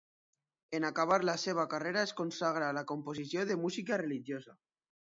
En acabar la seva carrera es consagrà a la composició de música religiosa.